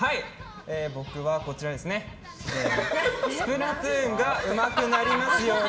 僕は、スプラトゥーンがうまくなりますように。